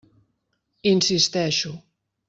Insisteixo.